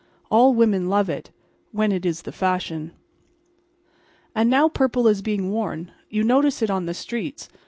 All women love it—when it is the fashion. And now purple is being worn. You notice it on the streets.